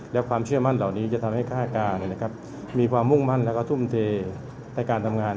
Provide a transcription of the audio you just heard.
และความเชื่อมั่นเหล่านี้จะทำให้ค่าการมีความมุ่งมั่นและทุ่มเทในการทำงาน